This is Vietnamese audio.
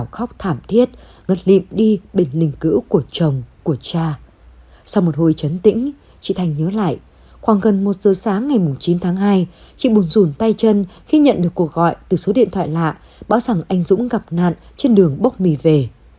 khoảng gần một giờ sáng ngày chín tháng hai chị buồn rùn tay chân khi nhận được cuộc gọi từ số điện thoại lạ báo rằng anh dũng gặp nạn trên đường bốc mì về